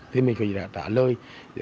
thì mình phải trả lời